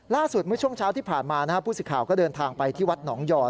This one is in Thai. ล่าสุดเมื่อช่วงเช้าที่ผ่านมานะครับผู้สิทธิ์ข่าวก็เดินทางไปที่วัดหนองยอร์